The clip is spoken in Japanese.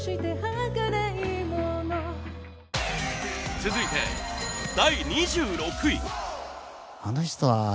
続いて第２６位。